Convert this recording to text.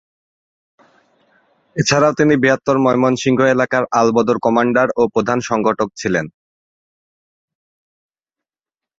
এছাড়াও তিনি বৃহত্তর ময়মনসিংহ এলাকার আল বদর কমান্ডার ও প্রধান সংগঠক ছিলেন।